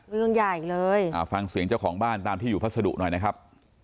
เรื่องใหญ่เลยอ่าฟังเสียงเจ้าของบ้านตามที่อยู่พัสดุหน่อยนะครับ